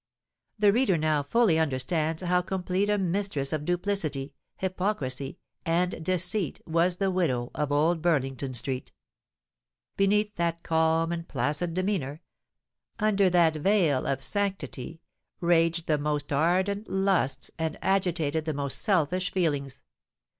The reader now fully understands how complete a mistress of duplicity—hypocrisy—and deceit was the widow of Old Burlington Street. Beneath that calm and placid demeanour—under that veil of sanctity—raged the most ardent lusts, and agitated the most selfish feelings.